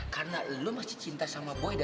karena lo masih cinta sama boy